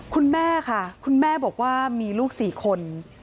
คุณแม่ค่ะคุณแม่บอกว่ามีลูก๔คน